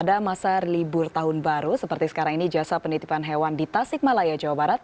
pada masa libur tahun baru seperti sekarang ini jasa penitipan hewan di tasik malaya jawa barat